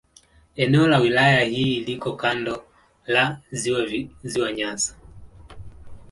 Eneo la wilaya hii liko kando la Ziwa Nyasa.